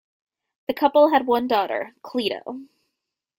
The couple had one daughter, Cleito.